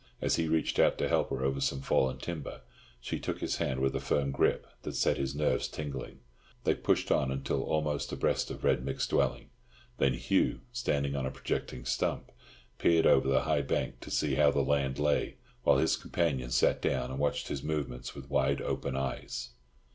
As he reached out to help her over some fallen timber, she took his hand with a firm grip that set his nerves tingling. They pushed on until almost abreast of Red Mick's dwelling; then Hugh, standing on a projecting stump, peered over the high bank to see how the land lay, while his companion sat down and watched his movements with wide open eyes.